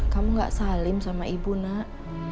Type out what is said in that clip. kamu gak salim sama ibu nak